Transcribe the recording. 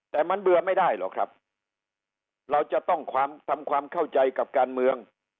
แต่มันเบื่อไม่ได้หรอกครับเราจะต้องทำความเข้าใจกับการเมือง